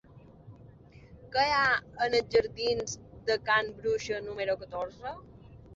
Què hi ha als jardins de Can Bruixa número catorze?